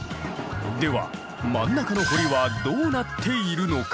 では真ん中の堀はどうなっているのか？